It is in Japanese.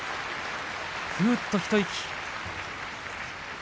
ふうっと一息。